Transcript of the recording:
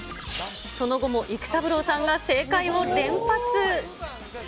その後も育三郎さんが正解を連発。